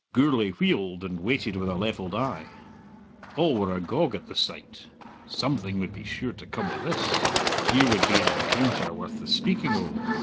Gourlay wheeled, and waited with a levelled eye. All were agog at the sight something would be sure to come o' this here would be an encounter worth the speaking o'.